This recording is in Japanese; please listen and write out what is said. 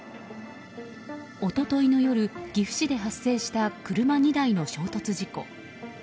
一昨日の夜、岐阜市で発生した車２台の衝突事故。